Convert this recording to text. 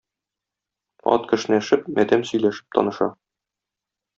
Ат кешнәшеп, адәм сөйләшеп таныша.